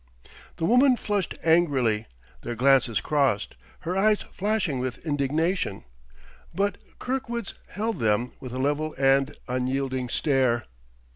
The woman flushed angrily; their glances crossed, her eyes flashing with indignation; but Kirkwood's held them with a level and unyielding stare.